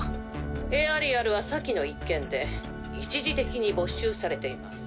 エアリアルは先の一件で一時的に没収されています。